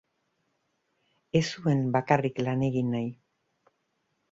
Ez zuen bakarrik lan egin nahi.